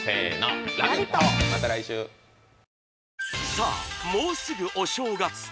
さあもうすぐお正月